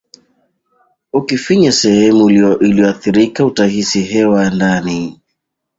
Ukifinya sehemu iliyoathirika utahisi hewa ya ndani